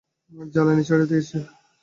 জ্বালানি ছেড়ে দিয়েছি।